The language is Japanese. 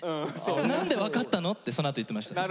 「何で分かったの？」ってそのあと言ってましたから。